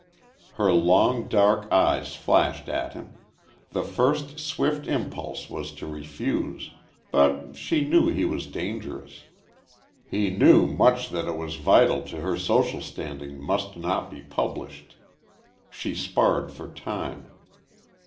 Her long, dark eyes flashed at him. The first swift impulse was to refuse. But she knew he was dangerous. He knew much that it was vital to her social standing must not be published. She sparred for time.